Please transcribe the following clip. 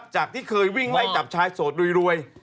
จากที่เคยวิ่งไล่จับชายโสดรวย